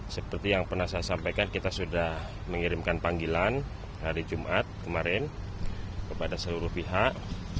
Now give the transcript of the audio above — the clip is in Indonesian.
seperti yang pernah saya sampaikan kita sudah mengirimkan panggilan hari jumat kemarin kepada seluruh pihak